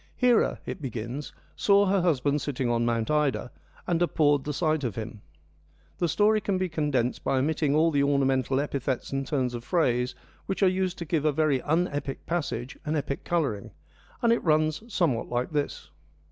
Hera, it begins, saw her husband sitting on Mount Ida, and abhorred the sight of him. The story can be condensed by omitting all the ornamental epithets and turns of phrase which are used to give a very un epic passage an epic colouring, and it runs somewhat like this.